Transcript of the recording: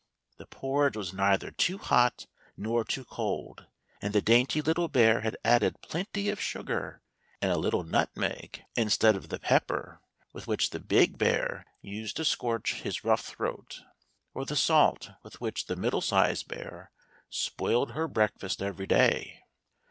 The porridge was neither too hot nor too cold ; and the dainty little bear had added plenty of sugar and a little nutmeg, in stead of the pepper with which the big bear used to scorch 109 THE THREE BEARS. his rough throat, or the salt with which the middle sized bear spoiled her breakfast every day.